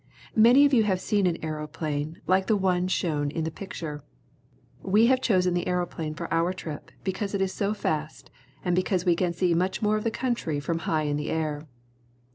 Many of you have seen an aeroplane like the one shown in the picture. We have chosen the aeroplane for our trip because it is so fast and because we can see much more of the country from high in the air.